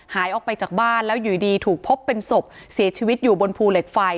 หายออกไปจากบ้านแล้วอยู่ดีถูกพบเป็นศพเสียชีวิตอยู่บนภูเหล็กไฟ